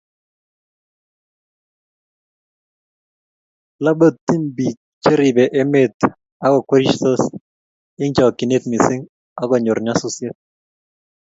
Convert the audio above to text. lobptyini biik cheribe emet ago kwerisho eng chokchinet missing ago nyoor nyasusiet